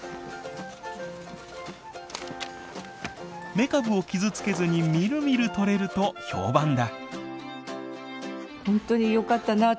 メカブを傷つけずにみるみる取れると評判だ。